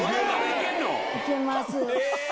いけます。